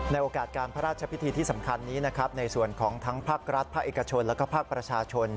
โอกาสการพระราชพิธีที่สำคัญนี้นะครับในส่วนของทั้งภาครัฐภาคเอกชนและภาคประชาชน